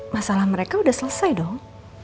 masalah mereka sudah selesai dong